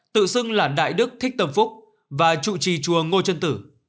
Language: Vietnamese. tự xưng là đại đức thích tâm phúc và chủ trì chùa ngô trân tử